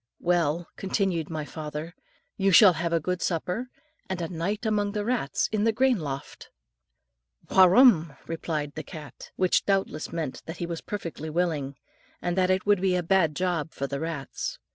"Well," continued my father, "you shall have a good supper, and a night among the rats in the grain loft." "Wurram!" replied the cat, which doubtless meant that he was perfectly willing, and that it would be a bad job for the rats.